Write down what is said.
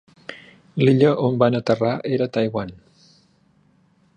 L'illa on van aterrar era Taiwan.